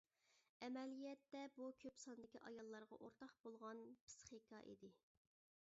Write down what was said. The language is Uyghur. ئەمەلىيەتتە بۇ كۆپ ساندىكى ئاياللارغا ئورتاق بولغان پىسخىكا ئىدى.